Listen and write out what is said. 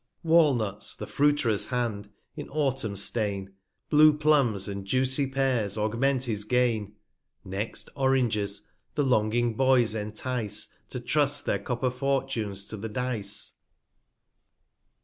310 Wallnuts the Fruiterers Hand, in Autumn, stain, Blue Plumbs, and juicy Pears augment his Gain ; Next Oranges the longing Boys entice, To trust their Copper Fortunes to the Dice.